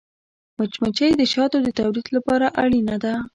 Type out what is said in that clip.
مچمچۍ د شاتو د تولید لپاره اړینه ده